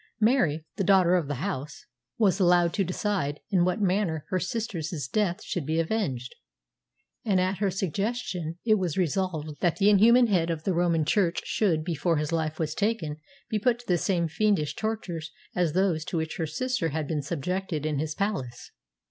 Mary, the daughter of the house, was allowed to decide in what manner her sister's death should be avenged, and at her suggestion it was resolved that the inhuman head of the Roman Church should, before his life was taken, be put to the same fiendish tortures as those to which her sister had been subjected in his palace."